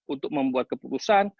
untuk membuat keputusan